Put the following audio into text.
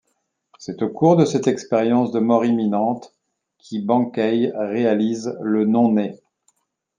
C'est au cours de cette expérience de mort imminente qui Bankei réalise le non-né.